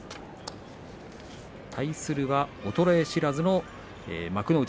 対するは衰え知らずの幕内